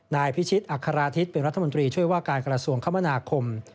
นายพิชิตอัคราธิตเป็นรัฐมนตรีช่วยว่าการกระทรวงคมนาคม